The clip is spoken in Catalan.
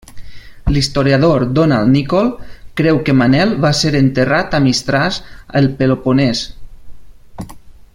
L'historiador Donald Nicol creu que Manel va ser enterrat a Mistràs, al Peloponès.